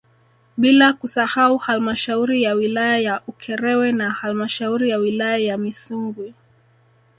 Bila kusahau halmashauri ya wilaya ya Ukerewe na halmashauri ya wilaya ya Misungwi